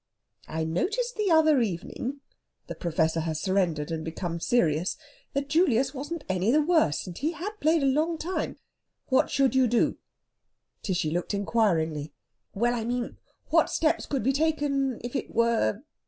"I noticed the other evening" the Professor has surrendered, and become serious "that Julius wasn't any the worse, and he had played a long time. What should you do?" Tishy looked inquiringly. "Well, I mean what steps could be taken if it were...?"